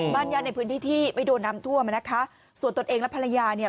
ญาติในพื้นที่ที่ไม่โดนน้ำท่วมอ่ะนะคะส่วนตนเองและภรรยาเนี่ย